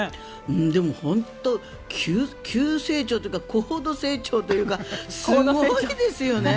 でも、本当に急成長というか高度成長というかすごいですよね。